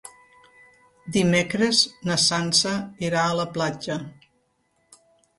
Dimecres na Sança irà a la platja.